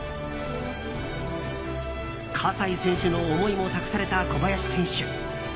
葛西選手の思いも託された小林選手。